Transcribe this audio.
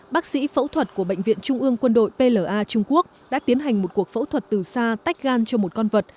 bác sĩ phẫu thuật của bệnh viện trung ương quân đội pla trung quốc đã tiến hành một cuộc phẫu thuật từ xa tách gan cho một con vật